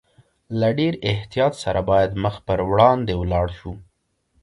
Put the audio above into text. له ډېر احتیاط سره باید مخ پر وړاندې ولاړ شو.